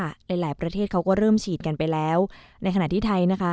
หลายหลายประเทศเขาก็เริ่มฉีดกันไปแล้วในขณะที่ไทยนะคะ